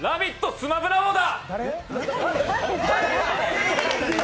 スマブラ王だ！